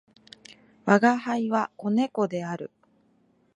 吾輩は、子猫である。